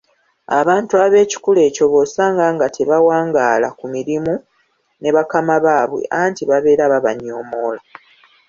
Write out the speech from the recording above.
Abantu ab'ekikula ekyo bosanga nga tebawangaala ku mirimu ne bakama baabwe anti babeera babanyoomoola,